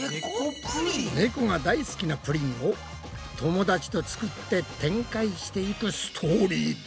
ねこが大好きなぷりんを友達と作って展開していくストーリーだ。